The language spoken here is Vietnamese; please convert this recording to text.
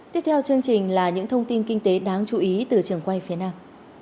tiếp theo chương trình là những thông tin kinh tế đáng chú ý từ trường quay phía nam